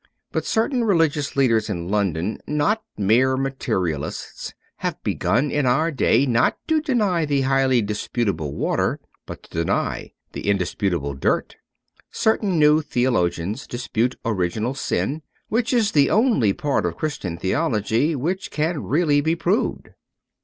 But certain religious leaders in London, not mere Materialists, have begun in our day not to deny the highly disputable water, but to deny the indisputable dirt. Certain new theologians dispute original sin, which is the only part of Christian theology which can really be proved.